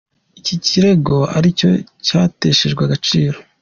Iki kirego ariko cyo cyateshejwe agaciro.